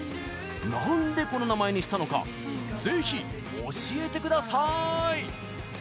なんで、この名前にしたのかぜひ教えてください！